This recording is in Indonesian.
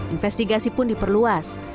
investigasi pun diperluas